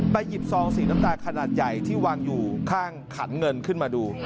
หยิบซองสีน้ำตาลขนาดใหญ่ที่วางอยู่ข้างขันเงินขึ้นมาดู